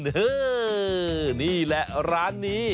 นี่นี่แหละร้านนี้